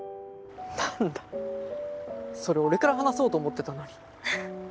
なんだそれ俺から話そうと思ってたのに。